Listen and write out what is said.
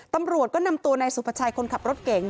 ตำรวจก็นำตัวนายสุภาชัยคนขับรถเก๋ง